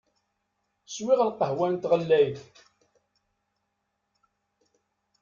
Swiɣ lqahwa n tɣellayt.